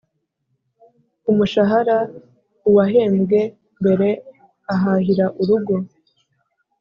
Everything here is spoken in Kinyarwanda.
k’umushahara, uwahembwe mbere ahahira urugo